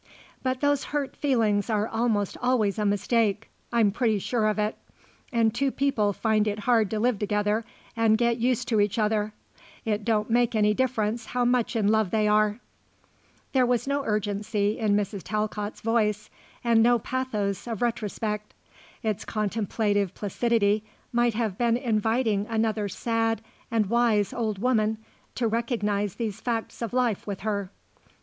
But those hurt feelings are almost always a mistake I'm pretty sure of it. Any two people find it hard to live together and get used to each other; it don't make any difference how much in love they are." There was no urgency in Mrs. Talcott's voice and no pathos of retrospect. Its contemplative placidity might have been inviting another sad and wise old woman to recognize these facts of life with her.